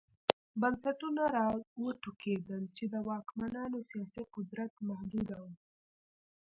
بنسټونه را وټوکېدل چې د واکمنانو سیاسي قدرت محدوداوه.